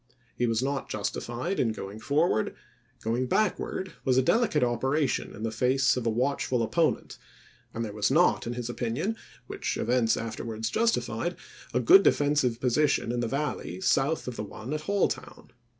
He was not justified in going forward ; going backward was a delicate operation in the face of a watchful oppo nent, and there was not, in his opinion, which events afterwards justified, a good defensive posi tion in the Valley south of the one at Halltown.